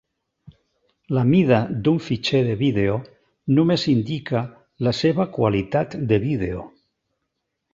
La mida d'un fitxer de vídeo només indica la seva qualitat de vídeo.